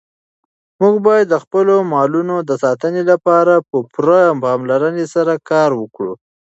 موږ باید د خپلو مالونو د ساتنې لپاره په پوره پاملرنې سره کار وکړو.